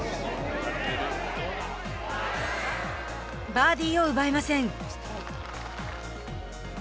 バーディーを奪えません。